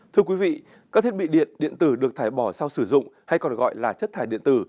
thưa quý vị các thiết bị điện điện tử được thải bỏ sau sử dụng hay còn gọi là chất thải điện tử